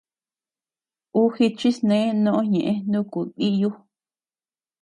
Uu jichisnee noʼo ñëʼe nuku díyu.